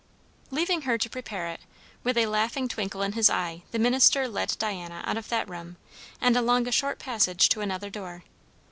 Leaving her to prepare it, with a laughing twinkle in his eye the minister led Diana out of that room and along a short passage to another door.